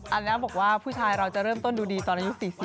อันนี้แปลว่าผู้ชายเราจะเริ่มต้นดูดีตอนอายุ๔๐